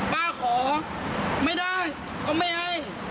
ป้าขอไม่ได้เขาไม่ให้